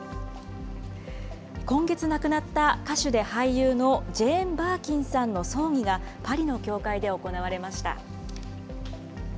今月亡くなった歌手で俳優のジェーン・バーキンさんの葬儀がパリの教会で行われました。